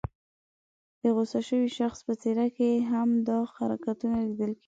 د غوسه شوي شخص په څېره کې هم دا حرکتونه لیدل کېږي.